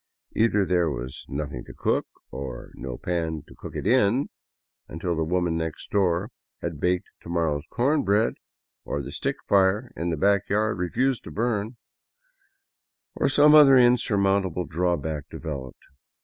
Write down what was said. Either there was nothing to cook, or no pan to cook it in, until the woman next door had baked to morrow's corn bread, or the stick fire in the back yard refused to burn, or some other unsurmountable draw back developed.